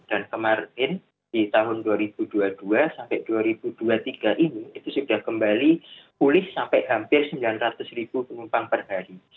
dan kemarin di tahun dua ribu dua puluh dua sampai dua ribu dua puluh tiga ini itu sudah kembali pulih sampai hampir sembilan ratus ribu penumpang per hari